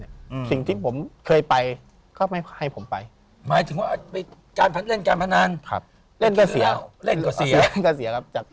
อยู่๑๒๑๓นะครับ